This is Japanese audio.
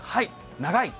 長い。